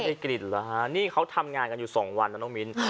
ได้กลิ่นเหรอฮะนี่เขาทำงานกันอยู่สองวันนะน้องมิ้น